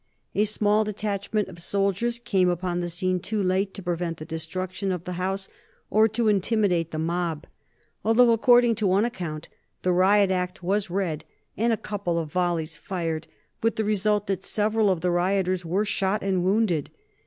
A small detachment of soldiers came upon the scene too late to prevent the destruction of the house or to intimidate the mob; although, according to one account, the Riot Act was read and a couple of volleys fired, with the result that several of the rioters were shot and wounded.